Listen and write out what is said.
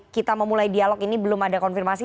kita memulai dialog ini belum ada konfirmasi